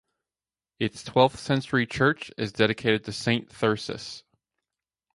Its twelfth-century church is dedicated to Saint Thyrsus.